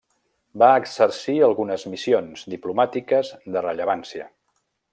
Va exercir algunes missions diplomàtiques de rellevància.